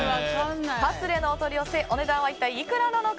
カスレのお取り寄せお値段は一体いくらなのか。